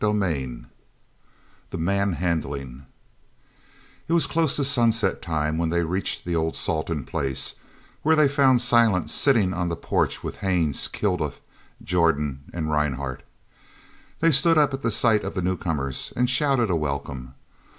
CHAPTER XXX "THE MANHANDLING" It was close to sunset time when they reached the old Salton place, where they found Silent sitting on the porch with Haines, Kilduff, Jordan, and Rhinehart. They stood up at sight of the newcomers and shouted a welcome.